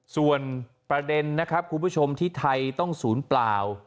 ส่วนประเด็นนะครับคุณผู้ชมที่ไทยต้องศูนย์เปล่า